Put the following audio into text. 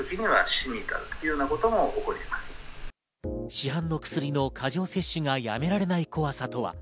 市販の薬の過剰摂取がやめられない怖さとは？